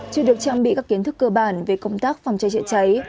chưa được trang bị các kiến thức cơ bản về công tác phòng cháy chữa cháy